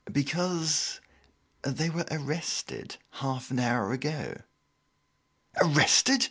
"Because they were arrested half an hour ago." "Arrested!"